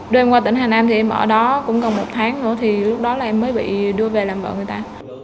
đưa em qua tỉnh hà nam thì em ở đó cũng gần một tháng nữa lúc đó em mới bị đưa về làm vợ người ta